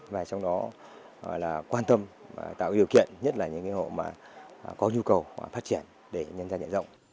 và trong đó là quan tâm tạo điều kiện nhất là những hộ mà có nhu cầu phát triển để nhân ra nhận rộng